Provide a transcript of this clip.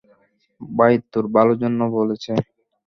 ভাই তোর ভালোর জন্য বলেছে।